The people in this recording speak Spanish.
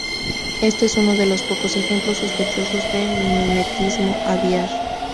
Este es uno de los pocos ejemplos sospechosos de mimetismo aviar.